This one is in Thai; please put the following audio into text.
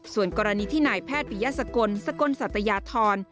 ส่วนกรณีที่นายแพทย์ปิยสกลสกลสัตยาธร